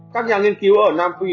các nhà nghiên cứu ở nam phi